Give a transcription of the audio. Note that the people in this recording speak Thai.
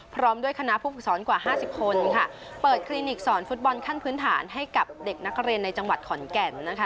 พร้อมด้วยคณะผู้ฝึกสอนกว่า๕๐คนค่ะเปิดคลินิกสอนฟุตบอลขั้นพื้นฐานให้กับเด็กนักเรียนในจังหวัดขอนแก่นนะคะ